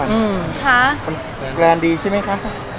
แลนด์เราางวาศดีรึค่ะ